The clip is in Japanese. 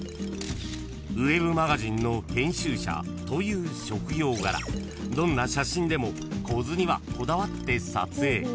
［ｗｅｂマガジンの編集者という職業柄どんな写真でも構図にはこだわって撮影］